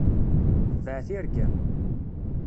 Tbeɛ tirga-m.